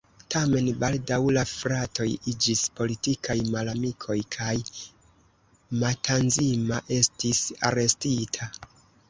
Tamen baldaŭ la fratoj iĝis politikaj malamikoj kaj Matanzima estis arestita.